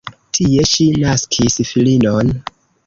Tie ŝi naskis filinon.